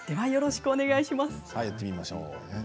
やってみましょう。